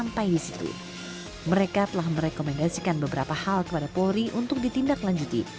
mereka telah merekomendasikan beberapa hal kepada polri untuk ditindaklanjuti